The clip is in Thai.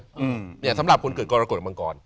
อืมเนี่ยสำหรับคนเกิดกรกฎกับมังกร